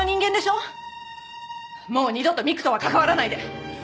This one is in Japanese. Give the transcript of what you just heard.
もう二度と美玖とは関わらないで。